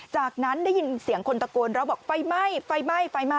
จากนั้นได้ยินเสียงคนตะโกนแล้วบอกไฟไหม้